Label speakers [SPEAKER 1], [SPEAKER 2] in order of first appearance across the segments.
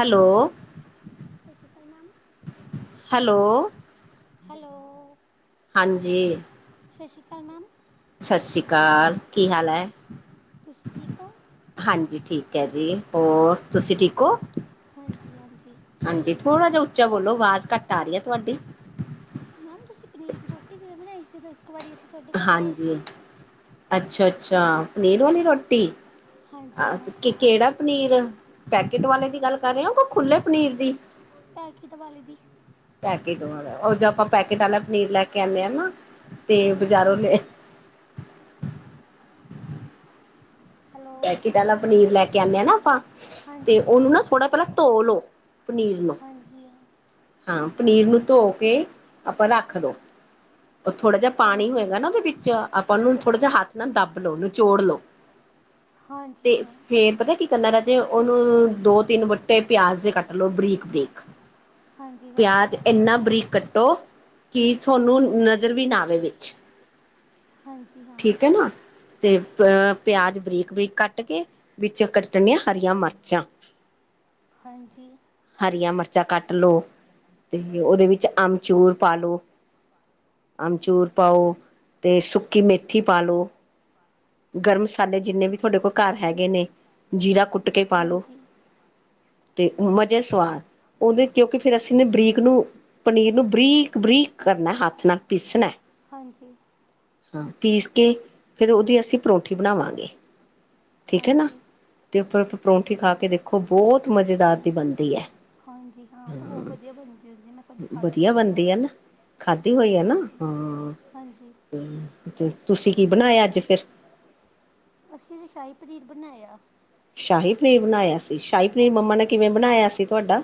[SPEAKER 1] Hello
[SPEAKER 2] ਸਤਿ ਸ਼੍ਰੀ ਅਕਾਲ ma'am
[SPEAKER 1] hello
[SPEAKER 2] hello
[SPEAKER 1] ਹਾਂਜੀ
[SPEAKER 2] ਸਤਿ ਸ਼੍ਰੀ ਅਕਾਲ ਮੈਮ
[SPEAKER 1] ਸਤਿ ਸ੍ਰੀ ਅਕਾਲ ਕੀ ਹਾਲ ਹੈ
[SPEAKER 2] ਤੁਸੀਂ ਠੀਕ ਹੋ
[SPEAKER 1] ਹਾਂਜੀ ਠੀਕ ਹੈ ਜੀ ਹੋਰ ਤੁਸੀਂ ਠੀਕ ਓ
[SPEAKER 2] ਹਾਂਜੀ ਹਾਂਜੀ
[SPEAKER 1] ਥੋੜਾ ਜਿਹਾ ਉੱਚਾ ਬੋਲੋ ਆਵਾਜ਼ ਘੱਟ ਆ ਰਹੀ ਹੈ ਤੁਹਾਡੀ
[SPEAKER 2] ਮੈਮ ਤੁਸੀਂ ਪਨੀਰ ਦੀ ਰੋਟੀ ਕਿਵੇਂ ਬਣਾਈ ਸੀ ਇੱਕ ਵਾਰੀ ਅਸੀਂ ਸੁਧ ਘਰੇ ਆਏ
[SPEAKER 1] ਹਾਂਜੀ
[SPEAKER 2] ਸੀ
[SPEAKER 1] ਅੱਛਾ ਅੱਛਾ ਪਨੀਰ ਵਾਲੀ ਰੋਟੀ
[SPEAKER 2] ਹਾਂਜੀ
[SPEAKER 1] ਆ
[SPEAKER 2] ਹਾਂ
[SPEAKER 1] ਕਿਹੜਾ ਪਨੀਰ ਪੈਕੇਟ ਵਾਲੇ ਦੀ ਗੱਲ ਕਰ ਰਹੇ ਹੋ ਖੁੱਲੇ ਪਨੀਰ ਦੀ
[SPEAKER 2] ਪੈ ਕੇ ਦੀਵਾਲੀ ਦੀ
[SPEAKER 1] ਪੈਕੇਟ ਵਾਲਾ ਆਪਾਂ ਪੈਕੇਟ ਵਾਲਾ ਪਨੀਰ ਲੈ ਕੇ ਆਉਂਦੇ ਹੈ ਨਾ ਤੇ
[SPEAKER 2] ਹਾਂਜੀ
[SPEAKER 1] ਬਾਜ਼ਾਰੋਂ ਨੇ
[SPEAKER 2] ਹੈਲੋ
[SPEAKER 1] ਪੈਕਟ ਵਾਲਾ ਪਨੀਰ ਲੈ ਕੇ ਆਉਂਦੇ ਹਾਂ ਨਾ ਆਪਾਂ ਤੇ
[SPEAKER 2] ਹਾਂਜੀ
[SPEAKER 1] ਉਹਨੂੰ ਨਾ ਥੋੜਾ ਪਹਿਲਾਂ ਧੋ ਲੋ ਪਨੀਰ ਨੂੰ
[SPEAKER 2] ਹਾਂਜੀ ਹਾਂ
[SPEAKER 1] ਹਾਂ ਪਨੀਰ ਨੂੰ ਧੋ ਕੇ ਆਪਾਂ ਰੱਖ ਲਓ ਉਹ ਥੋੜਾ ਜਿਹਾ ਪਾਣੀ
[SPEAKER 2] ਹਾਂਜੀ
[SPEAKER 1] ਹੋਏਗਾ ਨਾ ਉਹਦੇ ਵਿੱਚ ਆਪਾਂ ਉਹਨੂੰ ਥੋੜਾ ਜਿਹਾ ਹੱਥ ਨਾ ਦੱਬ ਲਉ ਨਚੋੜ ਲਉ
[SPEAKER 2] ਹਾਂਜੀ
[SPEAKER 1] ਤੇ
[SPEAKER 2] ਹਾਂ
[SPEAKER 1] ਫਿਰ ਪਤਾ ਕੀ ਕਹਦਾ ਰ ਜੇ ਉਹਨੂੰ ਦੋ ਤਿੰਨ ਵੁਟੇ ਪਿਆਜ ਦੇ ਕੱਟ ਲੋ ਬਰੀਕ ਬਰੀਕ
[SPEAKER 2] ਹਾਂਜੀ ਹਾਂ
[SPEAKER 1] ਪਿਆਜ ਇੰਨਾ ਬਰੀਕ ਕੱਟ ਕੀ ਤੁਹਾਨੂੰ ਨਜ਼ਰ ਵੀ ਨਾ ਆਵੇ ਵਿਚ
[SPEAKER 2] ਹਾਂਜੀ ਹਾਂ
[SPEAKER 1] ਤੇ ਅ ਪਿਆਜ ਬਰੀਕ ਬਰੀਕ ਕੱਟ ਕੇ ਵਿੱਚ ਕੱਟਣੀਆਂ ਹਰੀਆਂ ਮਿਰਚਾਂ
[SPEAKER 2] ਹਾਂਜੀ
[SPEAKER 1] ਬੱਚਾ ਕੱਟਲੋ ਤੇ, ਉਹਦੇ ਵਿੱਚ ਆਮਚੂਰ ਪਾਲੋ। ਅਮਚੂੂਰ ਪਾਓ, ਤੇ ਸੁੱਕੀ ਮੇਥੀ ਪਾਲੋ। ਗਰਮ ਮਸਾਲੇ ਜਿੰਨੇ ਵੀ ਤੁਹਾਡੇ ਕੋਲ ਘਰ ਹੈਗੇ ਨੇ, ਜੀਰਾ ਕੁੱਟ ਕੁੱਟਕੇ ਪਾਲੋ
[SPEAKER 2] ਹਾਂਜੀ
[SPEAKER 1] ਤੇ ਮਜ਼ੇ ਸਵਾਦ ਉਹਦੇ ਕਿਉਂਕਿ ਫਿਰ ਅਸੀਂਨੇ ਬਰੀਕ ਨੂੰ ਪਨੀਰ ਨੂੰ, ਬਰੀਕ-ਬਰੀਕ ਕਰਨਾ ਹੱਥ ਨਾਲ ਪੀਸਣਾ।
[SPEAKER 2] ਹਾਂਜੀ
[SPEAKER 1] ਹਾਂ ਪੀਸ ਕੇ ਫਿਰ ਉਹਦੀ ਅਸੀਂ ਪਰੌਠੀ ਬਣਾਵਾਂਗੇ ਠੀਕ ਹੈ ਨਾ
[SPEAKER 2] ਹਾਂਜੀ
[SPEAKER 1] ਤੇ ਉਪਰ ਪਰੌਂਠੀ ਖਾ ਕੇ ਦੇਖੋ ਬਹੁਤ ਮਜ਼ੇਦਾਰ ਦੀ ਬਣਦੀ ਹੈ
[SPEAKER 2] ਹਾਂਜੀ ਹਾਂ ਉਹ ਤੇ ਬਹੁਤ ਵਧੀਆ ਬਣਦੀ ਹੁੰਦੀ ਮੈਂ ਸਜ ਖਾਧੀ
[SPEAKER 1] ਵਧੀਆ
[SPEAKER 2] ਹੋਈ ਆ
[SPEAKER 1] ਬਣਦੀ ਹੈ ਨਾ ਖਾਧੀ ਹੋਈ ਹੈ ਨਾ
[SPEAKER 2] ਹਾਂਜੀ
[SPEAKER 1] ਹਾਂ
[SPEAKER 2] ਹਾਂਜੀ
[SPEAKER 1] ਤੇ ਤੇ ਤੁਸੀਂ ਕੀ ਬਣਾਇਆ ਅੱਜ ਫਿਰ
[SPEAKER 2] ਅੱਸੀਂ ਅਜੇ ਸ਼ਾਹੀ ਪਨੀਰ ਬਣਾਇਆ
[SPEAKER 1] ਸ਼ਾਹੀ ਪਨੀਰ ਬਣਾਇਆ ਸੀ ਸ਼ਾਹੀ ਪਨੀਰ ਮੰਮਾ
[SPEAKER 2] ਹਾਂਜੀ
[SPEAKER 1] ਨੇ ਕਿਵੇਂ ਬਣਾਇਆ ਸੀ ਤੁਹਾਡਾ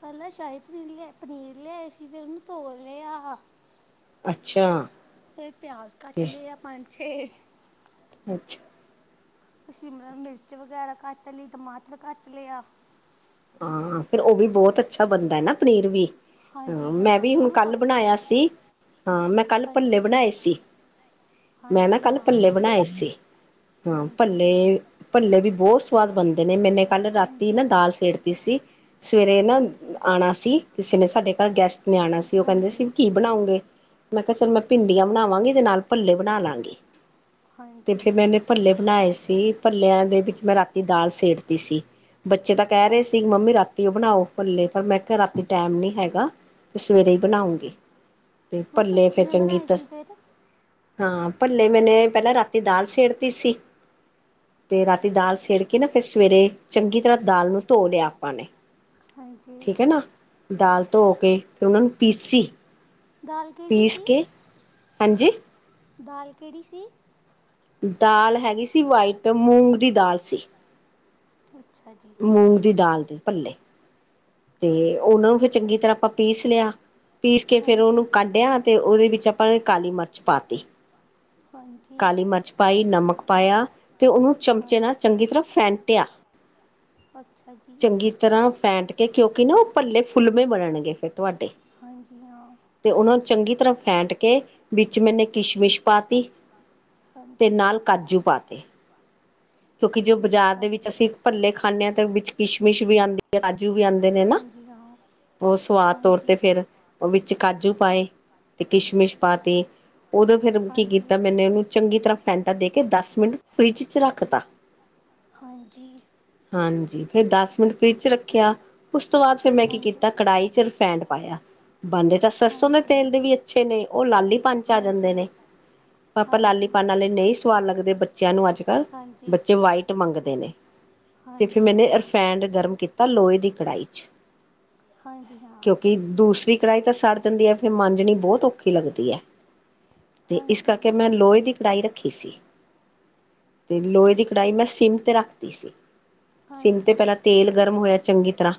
[SPEAKER 2] ਪਹਿਲਾਂ ਸ਼ਾਹੀ ਪਨੀਰ ਲਿਆ ਪਨੀਰ ਲਿਆਏ ਸੀ ਫਿਰ ਉਹਨੂੰ ਤੋਲ ਲਿਆ
[SPEAKER 1] ਅੱਛਾ
[SPEAKER 2] ਫਿਰ ਪਿਆਜ ਕੱਟ
[SPEAKER 1] ਤੇ
[SPEAKER 2] ਲਏ ਆ ਪੰਜ ਛੇ
[SPEAKER 1] ਅੱਛਾ
[SPEAKER 2] ਸ਼ਿਮਲਾ ਮਿਰਚ ਵਗੈਰਾ ਕੱਟ ਲਈ ਟਮਾਟਰ ਕੱਟ ਲਿਆ
[SPEAKER 1] ਹਾਂ ਫਿਰ ਉਹ ਵੀ ਬਹੁਤ ਅੱਛਾ ਬਣਦਾ ਹੈ ਨਾ ਪਨੀਰ ਵੀ ਹਾਂ
[SPEAKER 2] ਹਾਂਜੀ
[SPEAKER 1] ਮੈਂ ਵੀ
[SPEAKER 2] ਫਿਰ
[SPEAKER 1] ਹੁਣ
[SPEAKER 2] ਉਹਨੂੰ
[SPEAKER 1] ਕੱਲ
[SPEAKER 2] ਤੜਕਾ
[SPEAKER 1] ਬਣਾਇਆ ਸੀ ਹਾਂ ਮੈਂ ਕੱਲ ਪੱਲੇ
[SPEAKER 2] ਹਾਂਜੀ
[SPEAKER 1] ਬਣਾਏ ਸੀ ਮੈਂ ਨਾ
[SPEAKER 2] ਹਾਂਜੀ
[SPEAKER 1] ਕੱਲ
[SPEAKER 2] ਹਾਂ
[SPEAKER 1] ਪੱਲੇ
[SPEAKER 2] ਹੋ ਗਏ
[SPEAKER 1] ਬਣਾਏ ਸੀ ਹਾਂ
[SPEAKER 2] ਹਾਂਜੀ
[SPEAKER 1] ਭੱਲੇ ਭੱਲੇ ਵੀ ਬਹੁਤ ਸਵਾਦ ਬਣਦੇ ਨੇ ਮੈਨੇ ਕੱਲ ਰਾਤੀ ਨਾ
[SPEAKER 2] ਹਾਂਜੀ
[SPEAKER 1] ਦਾਲ ਸੇੜਤੀ ਸੀ ਸਵੇਰੇ ਨਾ
[SPEAKER 2] ਹਾਂਜੀ
[SPEAKER 1] ਆਉਣਾ ਸੀ ਕਿਸੇ ਨੇ ਸਾਡੇ ਘਰ ਗੈਸਟ ਨਿਆਉਣਾ ਸੀ ਉਹ ਕਹਿੰਦੇ ਸੀ
[SPEAKER 2] ਹਾਂਜੀ
[SPEAKER 1] ਕੀ ਬਣਾਉਂਗੇ ਮੈਂ ਕਿਹਾ ਚੱਲ ਮੈਂ ਭਿੰਡੀਆਂ ਬਣਾਵਾਂਗੀ ਤੇ ਨਾਲ ਭੱਲੇ ਬਣਾ ਲਾਂਗੀ ਤੇ ਫਿਰ,
[SPEAKER 2] ਹਾਂਜੀ
[SPEAKER 1] ਮੈਂਨੇ ਭੱਲੇ ਬਣਾਏ ਸੀ, ਭੱਲਿਆਂ ਦੇ ਵਿੱਚ ਮੈਂ ਰਾਤੀ ਦਾਲ ਸੇੜਤੀ ਸੀ। ਬੱਚੇ ਤਾਂ ਕਹਿ ਰਹੇ ਸ
[SPEAKER 2] ਹਾਂਜੀ
[SPEAKER 1] ਰਾਤੀ ਉਹ ਬਣਾਓ ਭੱਲੇ। ਪਰ ''ਮੈਂ ਕਿਹਾ ਰਾਤੀ ਟੈਮ ਨੀ ਹੈਗਾ ਤੇ, ਸਵੇਰੇ ਈ ਬਣਾਉਂਗੀ। ਤੇ
[SPEAKER 2] ਉਹ
[SPEAKER 1] ਭੱਲੇ
[SPEAKER 2] ਤੁਸੀਂ
[SPEAKER 1] ਫੇਰ,
[SPEAKER 2] ਕਿਵੇਂ
[SPEAKER 1] ਚੰਗੀ
[SPEAKER 2] ਬਣਾਏ ਸੀ ਫਿਰ
[SPEAKER 1] ਤ--ਹਾਂ। ''ਭੱਲੇ ਮੈਨੇ ਪਹਿਲਾਂ ਰਾਤੀ ਦਾਲ ਸੇੜਤੀ ਸੀ। ਤੇ ਰਾਤੀ ਦਾਲ ਸੇੜਕੇ ਨਾ, ਫਿਰ ਸਵੇਰੇ ਚੰਗੀ ਤਰ੍ਹਾਂ ਦਾਲ ਨੂੰ ਧੋ ਲਿਆ ਆਪਾਂ ਨੇ,
[SPEAKER 2] ਹਾਂਜੀ
[SPEAKER 1] ਠੀਕ ਐ ਨਾ। ਦਾਲ ਧੋਕੇ, ਫਿਰ ਉਹਨਾਂ ਨੂੰ ਪੀਸੀ।
[SPEAKER 2] ਦਾਲ ਕਿਹੜੀ ਸੀ
[SPEAKER 1] ਪੀਸਕੇ, ਹਾਂਜੀ।
[SPEAKER 2] ਦਾਲ ਕਿਹੜੀ ਸੀ?
[SPEAKER 1] ਦਾਲ ਹੈਗੀ ਸੀ, ਵਾਈਟ ਮੂੰਗ ਦੀ ਦਾਲ ਸੀ।
[SPEAKER 2] ਅੱਛਾ ਜੀ
[SPEAKER 1] 'ਮੂੰਗ' ਦੀ ਦਾਲ ਦੇ ਭੱਲੇ। ਤੇ ਉਹਨਾਂ ਨੂੰ ਫਿਰ ਚੰਗੀ ਤਰ੍ਹਾਂ ਆਪਾਂ ਪੀਸ ਲਿਆ, ਪੀਸ ਕੇ ਫੇਰ ਉਹਨੂੰ
[SPEAKER 2] ਹਾਂਜੀ
[SPEAKER 1] ਕੱਢਿਆ ਤੇ, ਉਹਦੇ ਵੀ ਆਪਾਂ ਕਾਲੀ ਮਿਰਚ ਪਾਤੀ।
[SPEAKER 2] ਹਾਂਜੀ
[SPEAKER 1] ਕਾਲੀ ਮਰਚ ਪਾਈ, ਨਮਕ ਪਾਇਆ ਤੇ, ਉਹਨੂੰ ਚਮਚੇ ਨਾਲ
[SPEAKER 2] ਹਾਂਜੀ
[SPEAKER 1] ਚੰਗੀ ਤਰ੍ਹਾਂ ਫੈਂਟਿਆ।
[SPEAKER 2] ਅੱਛਾ ਜੀ
[SPEAKER 1] ਚੰਗੀ ਤਰ੍ਹਾਂ ਫੈਂਟਕੇ, ਕਿਉਂਕਿ ਨਾ ਉਹ ਭੱਲੇ ਫੁਲਮੇ ਬਣਨਗੇ ਫਿਰ। ਤੁਹਾਡੇ।
[SPEAKER 2] ਹਾਂਜੀ-ਹਾਂ।
[SPEAKER 1] ਤੇ ਉਹਨਾਂ ਨੂੰ ਚੰਗੀ ਤਰ੍ਹਾਂ ਫੈੱਟਕੇ, ਵਿੱਚ ਮੈਨੇ ਕਿਸ਼ਮਿਸ਼ ਪਾਤੀ ਤੇ
[SPEAKER 2] ਹਾਂਜੀ
[SPEAKER 1] ਨਾਲ ਕਾਜੂ ਪਾਤੇ ਕਿਉਂਕਿ ਜੋ ਬਾਜ਼ਾਰ
[SPEAKER 2] ਠੀਕ ਆ
[SPEAKER 1] ਦੇ
[SPEAKER 2] ਜੀ
[SPEAKER 1] ਵਿੱਚ ਅਸੀਂ ਭੱਲੇ ਖਾਂਨੇ ਹਾਂ, ਤੇ ਵਿੱਚ ਕਿਸ਼ਮਿਸ਼ ਵੀ ਆਂਦੀ ਹੈ ਆਜ ਵੀ ਆਉਂਦੇ ਨੇ ਨਾ
[SPEAKER 2] ਹਾਂਜੀ ਹਾਂ
[SPEAKER 1] ਉਹ ਸਵਾਦ ਤੌਰ ਤੇ,
[SPEAKER 2] ਹਾਂਜੀ
[SPEAKER 1] ਫੇਰ, ਉਹ ਵਿੱਚ ਵਿੱਚ ਕਾਜੂ ਪਾਏ ਤੇ, ਕਿਸ਼ਮਿਸ਼ ਪਾਤੀ ਉਦੋਂ ਫਿਰ ਕੀ
[SPEAKER 2] ਹਾਂਜੀ
[SPEAKER 1] ਕੀਤਾ, ਮੈਨੇ ਉਹਨੂੰ ਚੰਗੀ ਤਰ੍ਹਾਂ ਫੈਂਟਾ ਦੇਕੇ ਦੱਸ ਮਿੰਟ ਫਰਿੱਜ'ਚ ਰੱਖ ਤਾ।
[SPEAKER 2] ਹਾਂਜੀ।
[SPEAKER 1] ਹਾਂਜੀ, ਫਿਰ ਦੱਸ ਮਿੰਟ ਫਰਿਜ'ਚ ਰੱਖਿਆ ਉਸ ਤੋਂ, ਬਾਅਦ ਫਿਰ ਮੈਂ ਕੀ
[SPEAKER 2] ਹਾਂਜੀ
[SPEAKER 1] ਕੀਤਾ ਕੜਾਹੀ'ਚ ਰਿਫੈਂਡ ਪਾਇਆ ਪਾਂਦੇ ਤਾਂ, ਸਰਸੋਂ ਦੇ
[SPEAKER 2] ਹਾਂਜੀ
[SPEAKER 1] ਤੇਲ ਦੇ ਵੀ ਅੱਛੇ ਨੇ, ਉਹ ਲਾਲੀ ਪਨ'ਚ ਆ ਜਾਂਦੇ
[SPEAKER 2] ਹਾਂਜੀ
[SPEAKER 1] ਨੇ। ਪਾਪਾ ਲਾਲੀ
[SPEAKER 2] ਹਾਂਜੀ
[SPEAKER 1] ਪਾਂ ਵਾਲੇ ਨਹੀਂ ਸਵਾਦ ਲੱਗਦੇ ਬ ਬੱਚਿਆਂ ਨੂੰ ਅੱਜ ਕੱਲ੍ਹ
[SPEAKER 2] ਹਾਂਜੀ
[SPEAKER 1] ਬੱਚੇ ਵਾਈਟ ਮੰਗਦੇ ਨੇ ਤੇ ਫਿਰ
[SPEAKER 2] ਹਾਂਜੀ
[SPEAKER 1] ਮੈਨੇ
[SPEAKER 2] ਹਾਂ
[SPEAKER 1] ਰਿਫੈਂਡ ਗਰਮ ਕੀਤਾ ਲੋਹੇ ਦੀ ਕੜਾਹੀ 'ਚ ਕਿਉਂਕਿ
[SPEAKER 2] [inaudible]
[SPEAKER 1] [unintelligible] ਕੜਾਹੀ ਤਾਂ ਸੜ ਜਾਂਦੀ ਹੈ ਫਿਰ ਇਹ ਮਾਜਨੀ ਬਹੁਤ ਔਖੀ ਲੱਗਦੀ ਹੈ ਤੇ ਇਸ
[SPEAKER 2] ਹਾਂਜੀ
[SPEAKER 1] ਕਰਕੇ ਮੈਂ ਲੋਹੇ ਦੀ ਕੜਾਹੀ ਰੱਖੀ ਸੀ। ਤੇ, ਲੋਹੇ ਦੀ ਕੜਾਈ ਮੈਂ ਸਿੰਮ ਤੇ ਰੱਖ ਤੀ ਸੀ, ਸਿੰਮ ਤੇ
[SPEAKER 2] ਹਾਂਜੀ ਹਾਂਜੀ
[SPEAKER 1] ਪਹਿਲਾਂ ਤੇਲ ਗਰਮ ਹੋਇਆ ਚੰਗੀ ਤਰ੍ਹਾਂ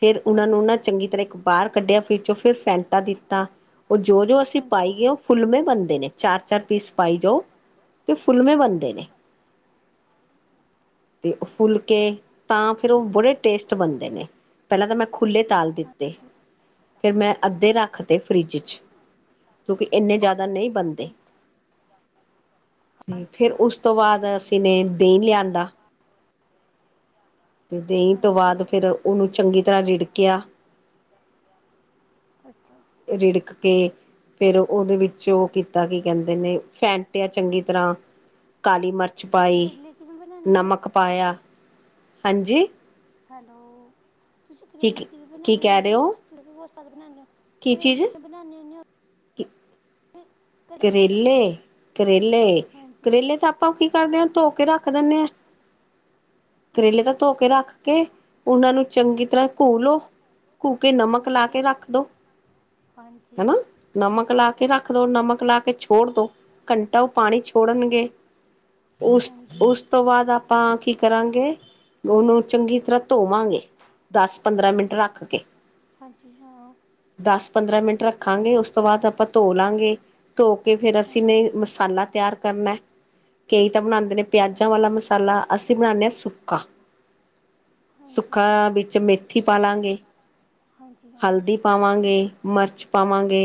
[SPEAKER 1] ਫੇਰ, ਉਹਨਾਂ ਨੂੰ
[SPEAKER 2] ਹਾਂਜੀ
[SPEAKER 1] ਨਾ ਚੰਗੀ ਤਰ੍ਹਾਂ ਇੱਕ ਬਾਹਰ ਕੱਢਿਆ ''ਫਰਿੱਜ'ਚੋ ਫਿਰ ਫੈਂਟਾ ਦਿੱਤਾ ਉਹ ਜੋ-ਜੋ ਅਸੀਂ
[SPEAKER 2] ਹਾਂਜੀ
[SPEAKER 1] ਪਾਈ ਗਏ, ਉਹ ਫੁੱਲਮੇ ਬਣ ਨੇ ਚਾਰ-ਚਾਰ ਪੀਸ ਪਾਈ ਜਾਓ ਤੇ, ਫੁਲਮੇ ਬਣਦੇ ਨੇ। ਤੇ ਉਹ ਫੁਲਕੇ ਤਾਂ, ਫਿਰ ਉਹ ਬੜੇ ਟੇਸਟ ਬਣਦੇ ਨੇ। ਪਹਿਲਾਂ ਤਾਂ ''ਮੈਂ ਖੁੱਲ੍ਹੇ ਤਾਲ ਦਿੱਤੇ ਫਿਰ ''ਮੈਂ ਅੱਧੇ ਰੱਖਤੇ ਫਰਿੱਜ'ਚ ਕਿਉਂਕਿ ਐਂਨੇ ਜ਼ਿਆਦਾ ਨਹੀਂ ਬਨਦੇ।
[SPEAKER 2] ਹਾਂਜੀ
[SPEAKER 1] ਤੇ,
[SPEAKER 2] ਹਾਂਜੀ
[SPEAKER 1] ਫਿਰ
[SPEAKER 2] ਹਾਂ
[SPEAKER 1] ਉਸ ਤੋਂ ਬਾਅਦ ਅਸੀਂ ਨੇ ਦਹੀਂ ਲਿਆਂਦਾ। ਤੇ ਦਹੀਂ ਤੋਂ ਬਾਅਦ
[SPEAKER 2] ਹਾਂਜੀ
[SPEAKER 1] ਫਿਰ, ਉਹਨੂੰ ਚੰਗੀ ਤਰ੍ਹਾਂ ਰਿੜਕਿਆ
[SPEAKER 2] [inaudible]
[SPEAKER 1] ਰਿੜਕ ਕੇ ਫੇਰ, ਉਹਦੇ ਵਿੱਚ ਉਹ ਕੀਤਾ ਕੀ ਕਹਿੰਦੇ ਨੇ, ਫੈਂਟਿਆ ਚੰਗੀ ਤਰ੍ਹਾਂ ਕਾਲੀ ਮਰ ਮਚ
[SPEAKER 2] ਤੁਸੀਂ
[SPEAKER 1] ਪਾਈ,
[SPEAKER 2] ਕਰੇਲੇ ਕਿਵੇਂ ਬਣਾਉਂਦੇ ਹੋ
[SPEAKER 1] ਨਮਕ ਪਾਇਆ, ਹਾਂਜੀ!
[SPEAKER 2] ਹੈਲੋ! ਤੁਸੀਂ
[SPEAKER 1] ਕੀ
[SPEAKER 2] ਕਰੇਲੇ ਕਿਵੇਂ
[SPEAKER 1] ਕੀ
[SPEAKER 2] ਬਣਾਂਨੇ
[SPEAKER 1] ਕਹਿ
[SPEAKER 2] ਹੁੰਨੇ
[SPEAKER 1] ਰਹੇ
[SPEAKER 2] ਓ?
[SPEAKER 1] ਹੋ ਕੀ ਚੀਜ਼
[SPEAKER 2] ਕਰੇਲੇ'ਚ ਬਣਾਨੇ ਹੁੰਨੇ ਆ
[SPEAKER 1] ਕਰੇਲੇ! ਕਰੇਲੇ!
[SPEAKER 2] ਹਾਂਜੀ
[SPEAKER 1] ਕਰੇਲੇ ਤਾਂ ਆਪਾਂ ਕੀ ਕਰਦੇ ਹ ਧੋਕੇ ਰੱਖ ਦਿੰਨੇ ਹਾਂ, ਕਰੇਲੇ ਤਾਂ
[SPEAKER 2] ਅੱਛਾ ਜੀ
[SPEAKER 1] ਧੋਕੇ
[SPEAKER 2] ਫਿਰ
[SPEAKER 1] ਰੱਖਕੇ, ਉਹਨਾਂ ਨੂੰ ਚੰਗੀ ਤਰ੍ਹਾਂ ਘੋਲੋੋ [unintelligible] ਨਮਕ ਲਾ ਕੇ
[SPEAKER 2] ਹਾਂਜੀ
[SPEAKER 1] ਰੱਖ ਦੋ
[SPEAKER 2] ਹਾਂਜੀ
[SPEAKER 1] ਹੈਣਾ ਨਮਕ ਲਾ ਕੇ ਰੱਖ ਲੋ ਨਮਕ ਲਾ ਕੇ ਛੋੜ ਦੋ ਘੰਟਾ ਉਹ ਪਾਣੀ ਛੋੜਨਗੇ ਉਸ
[SPEAKER 2] ਹਾਂਜੀ
[SPEAKER 1] -ਉਸ ਤੋਂ ਬਾਦ [unintelligible] ਆਪਾਂ ਕੀ ਕਰਾਂਗੇ ਉਹਨੂੰ ਚੰਗੀ ਤਰ੍ਹਾਂ ਧੋਵਾਂਗੇ ਦਸ ਪੰਦਰਾਂ ਮਿੰਟ ਰੱਖ ਕੇ
[SPEAKER 2] ਹਾਂਜੀ ਹਾਂ
[SPEAKER 1] ਦਸ ਪੰਦਰਾਂ ਮਿੰਟ ਰੱਖਾਂਗੇ ਉਸ ਤੋਂ ਬਾਦ ਆਪਾਂ ਧੋ ਲਾਂਗੇ ਧੋ ਕੇ ਫ਼ੇਰ ਅਸੀਂ
[SPEAKER 2] ਹਾਂਜੀ
[SPEAKER 1] ਨੇ ਮਸਾਲਾ ਤਿਆਰ ਕਰਨਾ ਕਈ ਤਾਂ ਬਣਾਂਦੇ ਨੇ
[SPEAKER 2] ਅੱਛਾ
[SPEAKER 1] ਪਿਆਜ਼ਾਂ ਵਾਲਾ ਮਸਾਲਾ ਅਸੀਂ ਬਣਾਣੇ ਆ ਸੁੱਕਾ।
[SPEAKER 2] ਹਾਂਜੀ
[SPEAKER 1] ਸੁੱਕਾ ਵਿੱਚ ਮੇਥੀ ਪਾ ਲਾਂਗੇ,
[SPEAKER 2] ਹਾਂਜੀ ਹਾਂ
[SPEAKER 1] ਹਲਦੀ ਪਾਵਾਂਗੇ। ਮਰਚ ਪਾਵਾਂਗੇ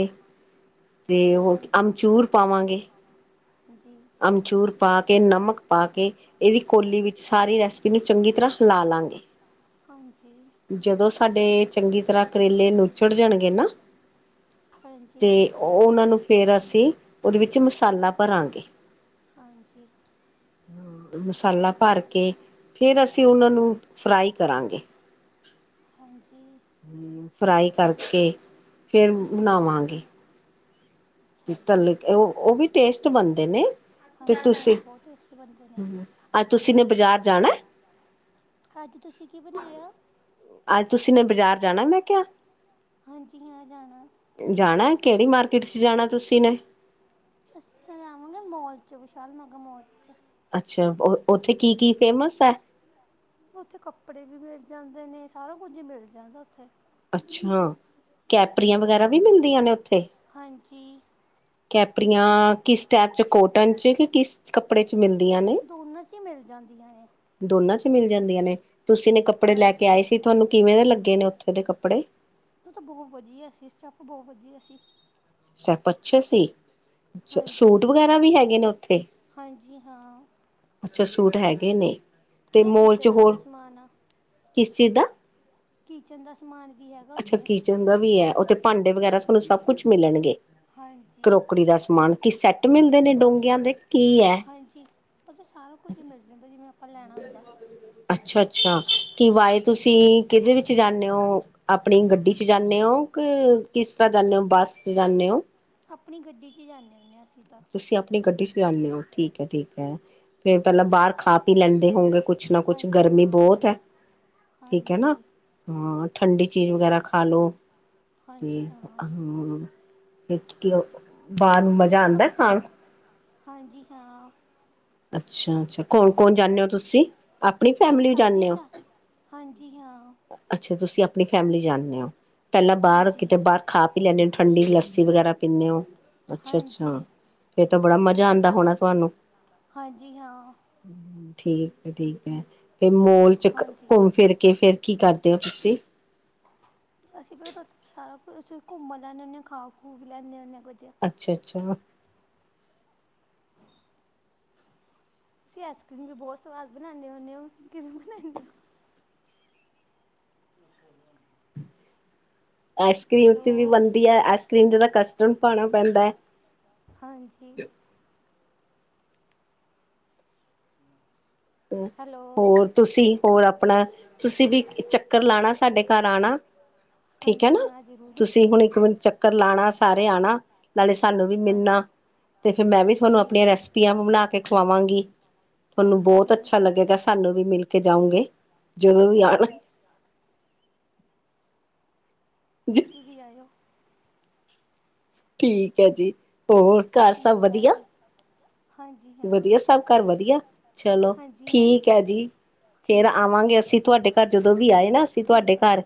[SPEAKER 1] ਤੇ ਉਹ
[SPEAKER 2] ਹਾਂਜੀ
[SPEAKER 1] ਅਮਚੂਰ ਪਾਵਾਂਗੇ।
[SPEAKER 2] ਜੀ
[SPEAKER 1] ਅਮਚੂਰ ਪਾ ਕੇ, ਨਮਕ ਪਾ ਕੇ। ਐਵੀ ਕੋਲੀ ਵਿੱਚ ਸਾਰੀ ਰੈਸਪੀ ਨੂੰ ਚੰਗੀ ਤਰ੍ਹਾਂ ਹਿਲਾ ਲਾਂਗੇ।
[SPEAKER 2] ਹਾਂਜੀ
[SPEAKER 1] ਜਦੋਂ ਸਾਡੇ ਚੰਗੀ ਤਰ੍ਹਾਂ ਕਰੇਲੇ ਨੁੱਚੜ ਜਾਣਗੇ ਨਾ? ਤੇ
[SPEAKER 2] ਹਾਂਜੀ
[SPEAKER 1] ਉਹਨਾਂ ਨੂੰ ਫੇਰ ਅਸੀਂ ਉਹਦੇ ਵਿੱਚ ਮਸਾਲਾ ਭਰਾਂਗੇ?
[SPEAKER 2] [inaudible]
[SPEAKER 1] ਮਸਾਲਾ ਭਰ ਕੇ ਫਿਰ ਅਸੀਂ ਉਹਨਾਂ
[SPEAKER 2] ਹਾਂਜੀ
[SPEAKER 1] ਨੂੰ ਫਰਾਈ ਕਰਾਂਗੇ।
[SPEAKER 2] [inaudible]
[SPEAKER 1] ਫਰਾਈ ਕਰਕੇ ਫ਼ੇਰ ਬਣਾਵਾਂਗੇ
[SPEAKER 2] ਅੱਛਾ ਜੀ
[SPEAKER 1] ਤੱਲ ਕੇ ਉਹ ਉਹ ਵੀ ਟੇਸਟ ਬਣਦੇ ਨੇ। ਤੇ
[SPEAKER 2] ਹਾਂਜੀ
[SPEAKER 1] ਤੁਸੀਂ
[SPEAKER 2] ਹਾਂ ਬਹੁਤ ਟੇਸਟੀ ਬਣਦੇ ਨੇ।
[SPEAKER 1] ਤੁਸੀ ਨੇ ਬਾਜ਼ਾਰ ਜਾਣਾ?
[SPEAKER 2] ਅੱਜ ਤੁਸੀਂ ਕੀ ਬਨਾਯਾ?
[SPEAKER 1] ਅੱਜ ਤੁਸੀਂ ਨੇ ਬਾਜ਼ਾਰ ਜਾਣਾ ਮੈਂ ਕਿਹਾ?
[SPEAKER 2] ਹਾਂਜੀ ਹਾਂ ਜਾਣਾ।
[SPEAKER 1] ਕੇਹੜੀ ਮਾਰਕੀਟ 'ਚ ਜਾਣਾ ਤੁਸੀਂ ਨੇ?
[SPEAKER 2] ਅਸੀਂ ਤਾਂ ਜਾਵਾਂਗੇ ਮੌਲ ਚ ਵੀਸ਼ਾਲ ਮੈਗਾ ਮੌਲ ਚ।
[SPEAKER 1] ਅੱਛਾ ਉੱਥੇ ਕੀ ਕੀ ਫੇਮਸ ਹੈ?
[SPEAKER 2] ਉੱਥੇ ਕੱਪੜੇ ਵੀ ਮਿਲ ਜਾਂਦੇ ਨੇ ਸਾਰਾ ਕੁੱਝ ਇ ਮਿਲ ਜਾਂਦਾ ਉੱਥੇ।
[SPEAKER 1] ਅੱਛਾ ਕੈਪਰੀਆਂ ਵਗੈਰਾ ਵੀ ਮਿਲਦੀਆਂ ਨੇ ਉੱਥੇ?
[SPEAKER 2] ਹਾਂਜੀ।
[SPEAKER 1] ਕੈਪਰੀਆਂ ਕਿਸ ਟਾਈਪ 'ਚ ਕੋਟਨ 'ਚ ਕਿ ਕਿਸ ਕੱਪੜੇ 'ਚ। ਮਿਲਦੀਆਂ ਨੇ
[SPEAKER 2] ਦੋਨਾਂ ਚ ਹੀ ਮਿਲ ਜਾਂਦੀਆਂ ਨੇ।
[SPEAKER 1] [unintelligible] ਮਿਲ ਜਾਂਦੀਆਂ ਨੇ ਤੁਸੀਂ ਨੇ ਕੱਪੜੇ ਲੈ
[SPEAKER 2] ਹਾਂਜੀ
[SPEAKER 1] ਕੇ ਆਏ ਸੀ ਤੁਹਾਨੂੰ ਕਿਵੇਂ ਦੇ ਲੱਗੇ ਨੇ ਉੱਥੇ ਦੇ ਕੱਪੜੇ?
[SPEAKER 2] [inaudible]
[SPEAKER 1] ਸਭ ਅੱਛੇ ਸੀ। ਅੱਛਾ
[SPEAKER 2] ਹਾਂਜੀ
[SPEAKER 1] ਸੂਟ ਵਗੈਰਾ ਵੀ ਹੈਗੇ ਨੇ ਉੱਥੇ?
[SPEAKER 2] ਹਾਂਜੀ ਹਾਂ
[SPEAKER 1] ਅੱਛਾ ਸੂਟ ਹੈਗੇ ਨੇ।
[SPEAKER 2] ਉੱਥੇ
[SPEAKER 1] ਤੇ
[SPEAKER 2] ਨਾ
[SPEAKER 1] ਮੋਲ ਚ
[SPEAKER 2] ਕਿਚਨ ਦਾ ਵੀ
[SPEAKER 1] ਹੋਰ
[SPEAKER 2] ਸਮਾਨ ਆ।
[SPEAKER 1] ਕਿਸ ਚੀਜ਼ ਦਾ।
[SPEAKER 2] ਕਿਚਨ ਦਾ ਸਮਾਨ ਵੀ ਹੈਗਾ
[SPEAKER 1] ਅੱਛਾ
[SPEAKER 2] ਉੱਥੇ।
[SPEAKER 1] ਕਿਚਨ ਦਾ ਵੀ ਹੈ ਉੱਥੇ ਭਾਂਡੇ ਵਗੈਰਾ ਤੁਹਾਨੂੰ ਸਭ ਕੁਛ ਮਿਲਣਗੇ
[SPEAKER 2] ਹਾਂਜੀ
[SPEAKER 1] ਕਰੋਕਰੀ ਦਾ ਸਮਾਨ। ਕਿ ਸੈੱਟ ਮਿਲਦੇ ਨੇ ਡੋਂਗਯਾ ਦੇ। ਕੀ ਹੈ?
[SPEAKER 2] ਹਾਂਜੀ ਉੱਥੇ ਸਾਰਾ ਕੁੱਝ ਮਿਲ ਜਾਂਦਾ ਜਿਵੇਂ ਆਪਾਂ ਲੈਣਾ ਹੁੰਦਾ।
[SPEAKER 1] ਅੱਛਾ ਅੱਛਾ ਕਿ ਵਾਯਾ ਤੁਸੀਂ ਕਿਹਦੇ ਵਿੱਚ ਜਾਣੇ ਹੋ? ਆਪਣੀ ਗੱਡੀ 'ਚ ਜਾਣੇ ਹੋ? [unintelligible] ਕਿਸ ਤਰ੍ਹਾਂ ਜਾਣੇ ਓ? ਬੱਸ ਤੇ ਜਾਣੇ ਓ?
[SPEAKER 2] ਆਪਣੀ ਗੱਡੀ 'ਚ ਜਾਣੇ ਹੁਣੇ ਆ ਅਸੀਂ। ਤਾਂ
[SPEAKER 1] ਤੁਸੀਂ ਆਪਣੀ ਗੱਡੀ ਚਲਾਂਦੇ ਔ, ਠੀਕ ਹੈ ਠੀਕ ਹੈ, ਫੇਰ ਪਹਿਲਾਂ ਬਾਹਰ ਖਾ ਪੀ ਲੈਂਦੇ ਹੋਗੇ ਕੁੱਛ। ਕੁਛ ਨਾ ਕੁਛ
[SPEAKER 2] ਹਾਂਜੀ
[SPEAKER 1] ਗਰਮੀ
[SPEAKER 2] ਹਾਂ
[SPEAKER 1] ਬਹੁਤ ਹੈ ਠੀਕ ਹੈ ਨਾ
[SPEAKER 2] ਹਾਂਜੀ
[SPEAKER 1] ਹਾਂ। ਠੰਡੀ ਚੀਜ਼ ਵਗੈਰਾ ਖਾ ਲੋ
[SPEAKER 2] ਹਾਂਜੀ
[SPEAKER 1] ਤੇ
[SPEAKER 2] ਹਾਂ
[SPEAKER 1] ਹੂੰ। ਤੇ ਕਿ ਔ, ਬਾਹਰ ਨੂੰ ਮਜ਼ਾ
[SPEAKER 2] ਅਸੀਂ ਉੱਥੋਂ
[SPEAKER 1] ਆਉਂਦਾ ਖਾਣ।
[SPEAKER 2] ਫਤਿਹ ਹਾਂਜੀ ਹਾਂ।
[SPEAKER 1] ਅੱਛਾ ਅੱਛਾ ਕੌਣ ਕੌਣ ਜਾਂਦੇ ਹੋ ਤੁਸੀਂ? ਆਪਣੀ
[SPEAKER 2] ਅਸੀਂ
[SPEAKER 1] ਫੈਮਿਲੀ ਹੀ
[SPEAKER 2] ਸਾਰੇ
[SPEAKER 1] ਜਾਣੇ
[SPEAKER 2] ਆ
[SPEAKER 1] ਹੋ,
[SPEAKER 2] ਜਾ ਹਾਂਜੀ ਹਾਂ
[SPEAKER 1] ਅੱਛਾ ਤੁਸੀਂ ਆਪਣੀ ਫੈਮਿਲੀ ਜਾਣੇ ਹੋ? ਪਹਿਲਾਂ ਬਾਹਰ ਕਿਤੇ
[SPEAKER 2] ਹਾਂਜੀ
[SPEAKER 1] ਬਾਹਰ ਖਾ ਪੀ ਲੈਂਦੇ ਹੋ? ਠੰਡੀ ਲੱਸੀ ਵਗੈਰਾ ਪੀਣੇ ਹੋ? ਅੱਛਾ ਅੱਛਾ
[SPEAKER 2] ਹਾਂਜੀ
[SPEAKER 1] ਫਿਰ ਤਾਂ ਬੜਾ ਮਜ਼ਾ ਆਉਂਦਾ ਹੋਣਾ ਤੁਹਾਨੂੰ?
[SPEAKER 2] ਹਾਂਜੀ ਹਾਂ।
[SPEAKER 1] ਠੀਕ ਹੈ ਠੀਕ ਹੈ, ਫਿਰ ਮੌਲ ਚ
[SPEAKER 2] ਹਾਂਜੀ
[SPEAKER 1] ਘੁੰਮ ਫਿਰ ਕੇ, ਫੇਰ ਕੀ ਕਰਦੇ ਹੋ ਤੁਸੀਂ?
[SPEAKER 2] ਅਸੀਂ ਫ ਸਾਰਾ ਕੁਛ ਘੁੰਮ ਲੈਂਦੇ ਹੁੰਦੇ ਆਂ, ਖਾ ਖੂਹ ਵੀ ਲੈਂਦੇ ਹੁੰ ਹਾਂ। ਕੁਝ
[SPEAKER 1] ਅੱਛਾ ਅੱਛਾ
[SPEAKER 2] ਤੁਸੀਂ ਆਈਸ ਕਰ੍ਰੀਮ ਵੀ ਬਹੁਤ ਸਵਾਦ ਬਣਾਦੇ ਹੁੰਦੇ ਹੋ, ਕਿਵੇਂ ਬਣਾਦੇ ਹੋ। ਅ ਸ [unintelligible]
[SPEAKER 1] ਆਈਸ ਕਰ੍ਰੀਮ ਤੇ ਵੀ ਬਣਦੀ ਹੈ, ਆਈਸ ਕਰ੍ਰੀਮ ਜਿਦੇ ਕਸਟਡ ਪਾਉਣਾ ਪੈਂਦਾ ਹੈ।
[SPEAKER 2] ਹਾਂਜੀ ਹੈਲੋ
[SPEAKER 1] ਹੋਰ ਤੁਸੀਂ ਹੋਰ ਆਪਣਾ ਤੁਸੀਂ ਵੀ ਚੱਕਰ ਲਾਣਾ। ਸਾਡੇ ਘਰ ਆਉਣਾ, ਠੀਕ ਹੈ
[SPEAKER 2] ਹਾਂਜੀ
[SPEAKER 1] ਨਾ
[SPEAKER 2] ਹਾਂ ਜ਼ਰੂਰ
[SPEAKER 1] ਤੁਸੀਂ ਹੁਣ ਇੱਕ ਮਨ ਚੱਕ ਚੱਕਰ ਲਾਉਣਾ, ਸਾਰੇ ਆਉਣਾ। ਨਾਲੇ ਸਾਨੂੰ ਵੀ ਮਿਲਣਾ,
[SPEAKER 2] ਹਾਂਜੀ
[SPEAKER 1] ਤੇ ਫਿਰ ਮੈਂ ਵੀ ਤੁਹਾਨੂੰ
[SPEAKER 2] ਹਾਂਜੀ
[SPEAKER 1] ਆਪਣੀਆਂ ਰੈਸਪੀਆਂ ਬਣਾ ਕੇ ਖਵਾਵਾਂਗੀ। ਤੁਹਾਨੂੰ
[SPEAKER 2] ਹਾਂਜੀ
[SPEAKER 1] ਬਹੁਤ ਬਹੁਤ
[SPEAKER 2] ਜ਼ਰੂਰ
[SPEAKER 1] ਅੱਛਾ ਲੱਗੇਗਾ ਸਾਨੂੰ ਵੀ ਮਿਲ ਕੇ ਜਾਊਗੇ ਜਦੋਂ ਵੀ ਆਉਣ
[SPEAKER 2] ਹਾਂਜੀ ਤੁਸੀਂ ਵੀ ਆਇਓ
[SPEAKER 1] ਠੀਕ ਹੈ ਜੀ, ਹੋਰ ਘਰ ਸਭ
[SPEAKER 2] ਠੀਕ ਆ
[SPEAKER 1] ਵਧੀਆ।
[SPEAKER 2] ਜੀ ਹਾਂਜੀ ਹਾਂ
[SPEAKER 1] ਵਧੀਆ ਸਭ ਘਰ ਵਧੀਆ, ਚਲੋ
[SPEAKER 2] ਹਾਂਜੀ
[SPEAKER 1] ਠੀਕ
[SPEAKER 2] ਹਾਂਜੀ
[SPEAKER 1] ਹੈ ਜੀ। ਫੇਰ
[SPEAKER 2] ਠੀਕ ਆ ਜੀ
[SPEAKER 1] ਆਵਾਂਗੇ ਅਸੀਂ ਤੁਹਾਡੇ ਘਰ, ਜਦੋਂ ਵੀ ਆਏ ਨਾ ਅਸੀਂ ਤੁਹਾਡੇ
[SPEAKER 2] ਠੀਕ ਆ
[SPEAKER 1] ਘਰ
[SPEAKER 2] ਜੀ